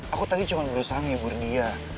aku tadi cuma berusaha menghibur dia